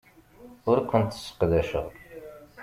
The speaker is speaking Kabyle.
Ur kent-sseqdaceɣ.